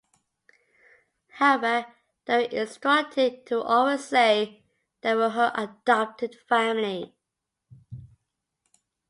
However, they were instructed to always say they were her adopted family.